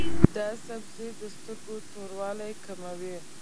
دا سبزی د سترګو توروالی کموي.